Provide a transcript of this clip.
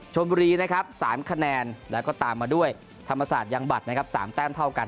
ชมบุรีนะครับ๓คะแนนแล้วก็ตามมาด้วยธรรมศาสตร์ยังบัตรนะครับ๓แต้มเท่ากัน